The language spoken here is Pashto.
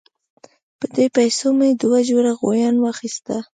په دې پیسو مې دوه جوړه غویان واخیستل.